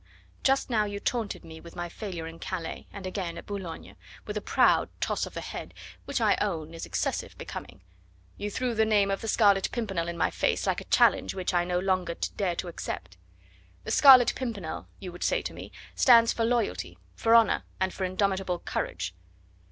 "Just now you taunted me with my failure in Calais, and again at Boulogne, with a proud toss of the head, which I own is excessive becoming; you threw the name of the Scarlet Pimpernel in my face like a challenge which I no longer dare to accept. 'The Scarlet Pimpernel,' you would say to me, 'stands for loyalty, for honour, and for indomitable courage.